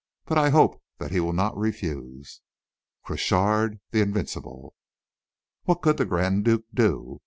But I hope that he will not refuse. "CROCHARD, L'Invincible!" What could the Grand Duke do?